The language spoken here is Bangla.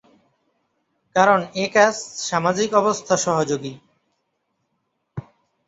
কারণ এ কাজ সামাজিক অবস্থা সহযোগী।